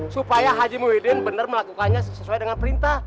supaya haji muhyiddin benar melakukannya sesuai dengan perintah